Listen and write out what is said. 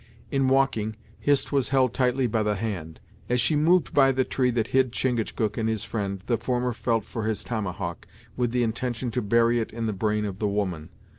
In walking, Hist was held tightly by the hand. As she moved by the tree that hid Chingachgook and his friend the former felt for his tomahawk, with the intention to bury it in the brain of the woman.